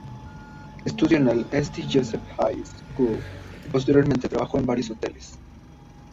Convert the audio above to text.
Estudió en el St Joseph's High school y posteriormente trabajó en varios hoteles.